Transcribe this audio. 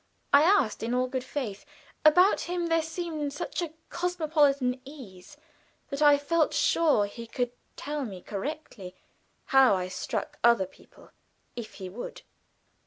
I asked in all good faith. About him there seemed such a cosmopolitan ease, that I felt sure he could tell me correctly how I struck other people if he would.